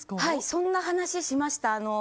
そんな話しました。